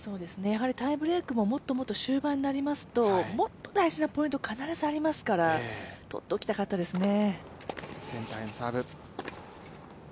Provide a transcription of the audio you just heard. タイブレークも、もっともっと終盤になりますと、もっと大事なポイント、必ずありますから、とっておきたかったですね。